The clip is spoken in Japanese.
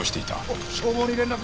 おい消防に連絡！